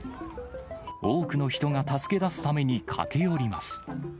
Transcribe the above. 多くの人が助け出すために駆け寄ります。